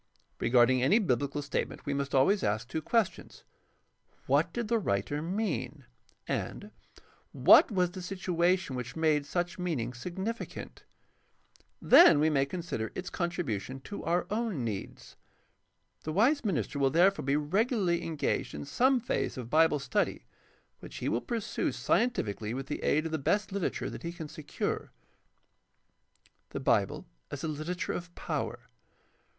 Regarding any biblical statement we must always ask two questions: What did the writer mean ? and What was the situation which made such meaning significant ? Then we may consider its contribution to our own needs. The wise minister will therefore be regu larly engaged in some phase of Bible study, which he will pursue scientifically with the aid of the best literature that he can secure. The Bible as a literature of power.